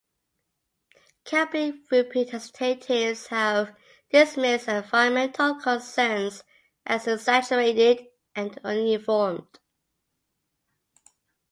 Company representatives have dismissed environmental concerns as exaggerated and uninformed.